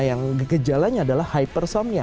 yang gejalanya adalah hypersomnia